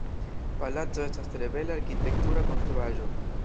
Palaco estas tre bela arkitektura konstruaĵo.